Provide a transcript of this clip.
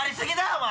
お前。